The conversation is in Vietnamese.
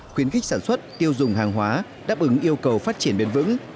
khuyến khích sản xuất tiêu dùng hàng hóa đáp ứng yêu cầu phát triển bền vững